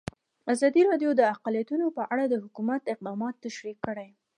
ازادي راډیو د اقلیتونه په اړه د حکومت اقدامات تشریح کړي.